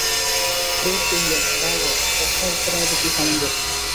পুরোহিত কহিলেন, বাহবা, প্রশ্ন ও উত্তরের মধ্যে কী সামঞ্জস্য!